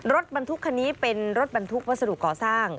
รถบรรทุกครับนี้เป็นรถบรรทุกวัสดุของของข้อสรรค์